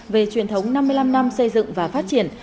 về truyền thống năm mươi năm năm xây dựng và phát triển